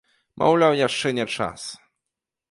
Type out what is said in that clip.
Маўляў, яшчэ не час.